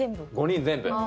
５人全部！